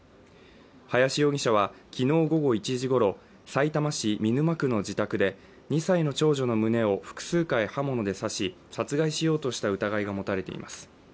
林容疑者は昨日午後１時ごろ、さいたま市見沼区の自宅で２歳の長女の胸を複数回刃物で刺し殺害しようとした疑いが持たれています。